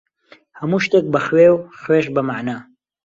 هەموو شتێک بە خوێ، و خوێش بە مەعنا.